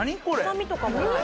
臭みとかもない。